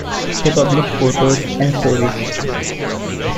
They published photos and stories.